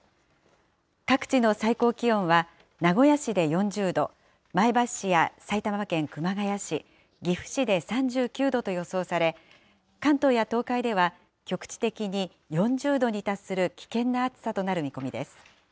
各地の最高気温は、名古屋市で４０度、前橋市や埼玉県熊谷市、岐阜市で３９度と予想され、関東や東海では局地的に４０度に達する危険な暑さとなる見込みです。